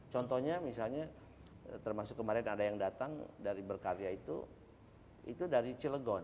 contohnya misalnya termasuk kemarin ada yang datang dari berkarya itu itu dari cilegon